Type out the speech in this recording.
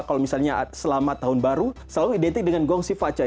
kalau misalnya selamat tahun baru selalu identik dengan gongsi fachain